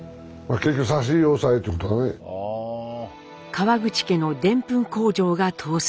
川口家のでんぷん工場が倒産。